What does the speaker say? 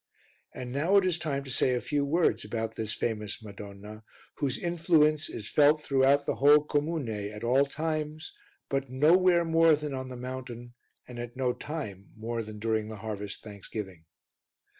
And now it is time to say a few words about this famous Madonna, whose influence is felt throughout the whole comune at all times, but nowhere more than on the Mountain, and at no time more than during the harvest thanksgiving.